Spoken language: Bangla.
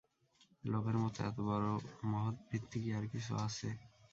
লোভের মতো এত বড়ো মহৎ বৃত্তি কি আর-কিছু আছে?